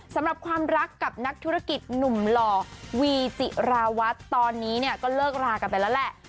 สำหรับความรักกับนักธุรกิจหนุ่มหล่อวีจิราวัตรตอนนี้เนี่ยก็เลิกรากันไปแล้วแหละ